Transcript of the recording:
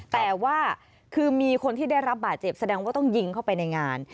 แต่ว่าคือมีคนที่ได้รับบาดเจ็บแสดงว่าต้องยิงเข้าไปในงาน